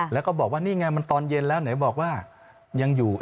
แล้วก็บอกว่านี่ไงมันตอนเย็นแล้วไหนบอกว่ายังอยู่